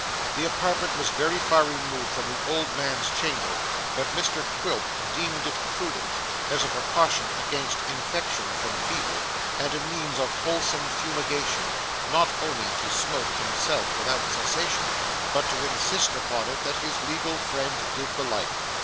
The apartment was very far removed from the old man's chamber, but Mr Quilp deemed it prudent, as a precaution against infection from fever, and a means of wholesome fumigation, not only to smoke, himself, without cessation, but to insist upon it that his legal friend did the like.